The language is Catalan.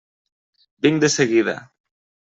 Vinc de seguida.